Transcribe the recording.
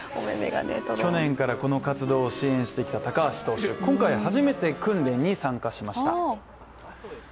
去年からこの活動を支援してきた高橋投手、今回、初めて訓練に参加しました。